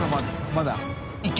まだ。